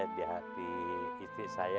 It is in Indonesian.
di hati itik saya